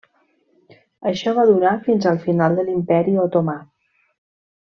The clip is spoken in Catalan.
Això va durar fins al final de l'imperi Otomà.